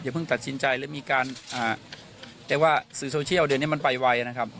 เพิ่งตัดสินใจแล้วมีการแต่ว่าสื่อโซเชียลเดี๋ยวนี้มันไปไวนะครับ